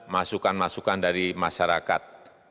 masukan masukan dari masyarakat